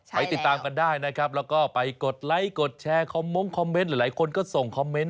ไปติดตามกันได้นะครับแล้วก็ไปกดไลค์กดแชร์คอมมมคอมเม้นต์